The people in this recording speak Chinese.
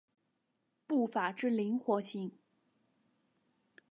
步法之灵活性。